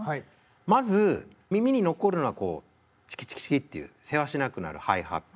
まず耳に残るのはこう「チキチキチキ」っていうせわしなくなるハイハット。